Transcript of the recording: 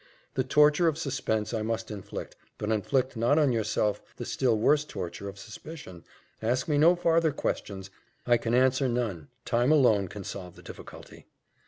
The torture of suspense I must inflict, but inflict not on yourself the still worse torture of suspicion ask me no farther questions I can answer none time alone can solve the difficulty.